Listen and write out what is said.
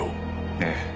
ええ。